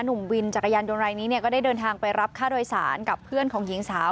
หนุ่มวินจักรยานยนต์รายนี้เนี่ยก็ได้เดินทางไปรับค่าโดยสารกับเพื่อนของหญิงสาว